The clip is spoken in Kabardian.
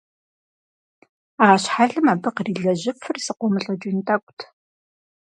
А щхьэлым абы кърилэжьыфыр зыкъуэмылӀыкӀын тӀэкӀут.